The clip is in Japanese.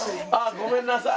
ごめんなさい。